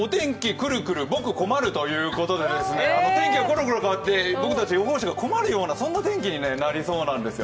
くるくるぼく困るということでお天気がくるくる変わって、僕たち予報士が困るようなそんな天気になりそうなんですよ。